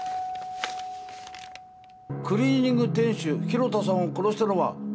クリーニング店主広田さんを殺したのは私です。